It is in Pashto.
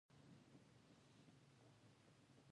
واوره د افغانستان د جغرافیې یوه ښه بېلګه ده.